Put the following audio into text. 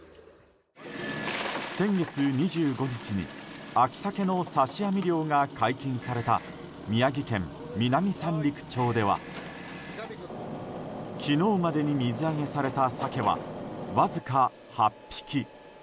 先月２５日に秋サケの刺し網漁が解禁された宮城県南三陸町では昨日までに水揚げされたサケはわずか８匹。